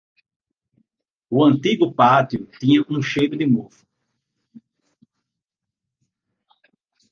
O antigo pátio tinha um cheiro de mofo.